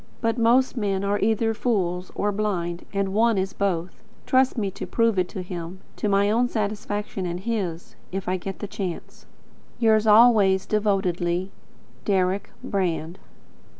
But most men are either fools or blind, and one is both. Trust me to prove it to him, to my own satisfaction and his, if I get the chance. Yours always devotedly, Deryck Brand.